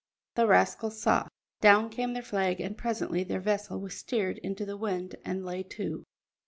The rascals saw. Down came their flag, and presently their vessel was steered into the wind and lay to.